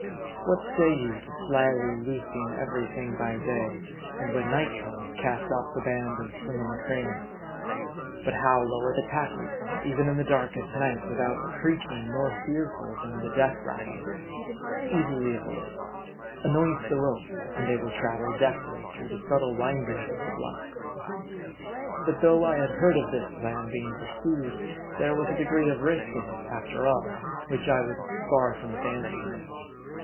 What say you to slyly loosing every thing by day; and when night comes, cast off the band and swing in the cranes ? But how lower the tackles, even in the darkest night, with out a creaking more fearful than the death rattle ? Easily avoided. Anoint the ropes, and they will travel deftly through the subtle windings of the blocks. But though I had heard of this plan being pursued, there was a degree of risk in it, after all, which I was far from fancying.